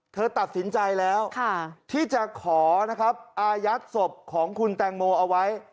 เธอตัดสินใจแล้วที่จะขอนะครับอายัดศพของคุณแตงโมเอาไว้